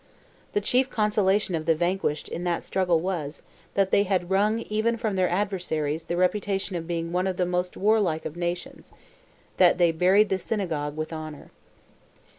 The chief consolation of the vanquished in that struggle was, that they had wrung even from their adversaries the reputation of being "one of the most warlike of nations"—that they "buried the synagogue with honour."